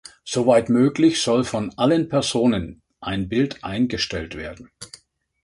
Soweit möglich, soll von allen Personen ein Bild eingestellt werden.